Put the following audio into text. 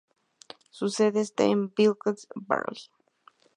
Su sede está en Wilkes-Barre.